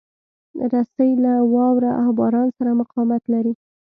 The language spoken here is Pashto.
رسۍ له واوره او باران سره مقاومت لري.